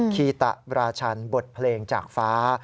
คีตะราชันบทเพลงจากฟ้า